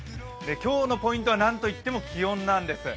今日のポイントはなんといっても気温なんです。